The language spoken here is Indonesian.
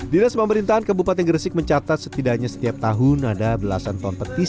dinas pemerintahan kabupaten gresik mencatat setidaknya setiap tahun ada belasan ton petis